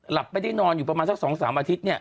หลับไม่ได้นอนอยู่ประมาณสัก๒๓อาทิตย์เนี่ย